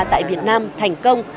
tại việt nam thành công